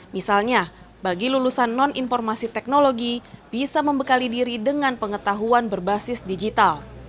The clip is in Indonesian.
misalnya bagi lulusan non informasi teknologi bisa membekali diri dengan pengetahuan berbasis digital